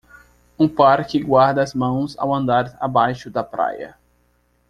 Um par que guarda as mãos ao andar abaixo da praia.